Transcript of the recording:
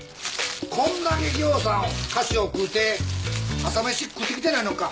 こんだけぎょうさん菓子を食うて朝飯食ってきてないのんか。